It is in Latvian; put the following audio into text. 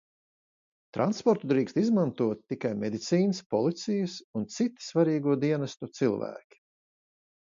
Transportu drīkst izmantot tikai medicīnas, policijas un citi svarīgo dienestu cilvēki.